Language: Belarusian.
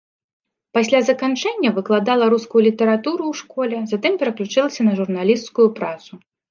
Пасля заканчэння выкладала рускую літаратуру ў школе, затым пераключылася на журналісцкую працу.